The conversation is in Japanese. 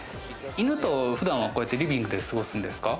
犬と普段はこうやってリビングで過ごすんですか？